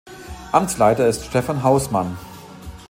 Amtsleiter ist Stefan Hausmann.